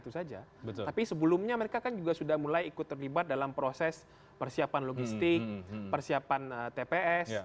tapi sebelumnya mereka kan juga sudah mulai ikut terlibat dalam proses persiapan logistik persiapan tps